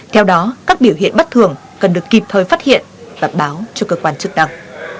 theo đó các biểu hiện bất thường cần được kịp thời phát hiện và báo cho cơ quan chức năng